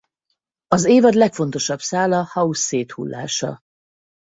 Az évad legfontosabb szála House széthullása.